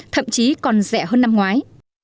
thậm chí còn rẻ hơn năm ngoái